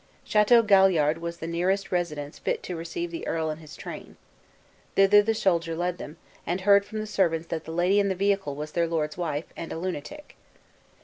Chateau Galliard was the nearest residence fit to receive the earl and his train. Thither the soldier led them, and heard from the servants that the lady in the vehicle was their lord's wife, and a lunatic.